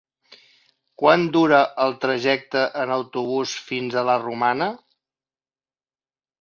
Quant dura el trajecte en autobús fins a la Romana?